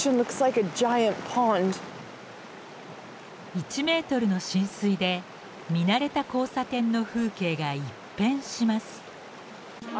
１ｍの浸水で見慣れた交差点の風景が一変します。